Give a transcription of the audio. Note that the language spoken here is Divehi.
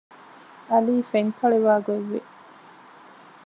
ޢަލީ ފެންކަޅިވާގޮތް ވި